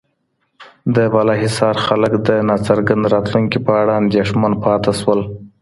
د بالاحصار خلک د ناڅرګند راتلونکي په اړه اندېښمن پاتې شول.